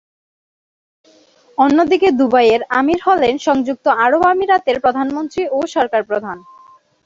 অন্যদিকে দুবাইয়ের আমীর হলেন সংযুক্ত আরব আমিরাতের প্রধানমন্ত্রী ও সরকার প্রধান।